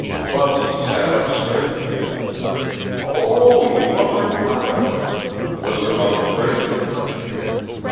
Bunsey sat up straight. "Oh, you loved her mother. Was her mother pretty?"